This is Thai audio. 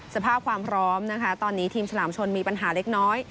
สภาพความพร้อมนะคะตอนนี้ทีมฉลามชนมีปัญหาเล็กน้อย